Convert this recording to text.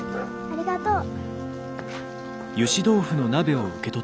ありがとう。